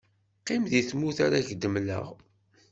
qqim di tmurt ara k-d-mmleɣ.